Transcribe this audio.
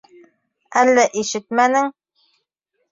Әллә ишетмәнең?